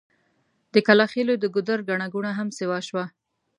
د کلاخېلو د ګودر ګڼه ګوڼه هم سيوا شوه.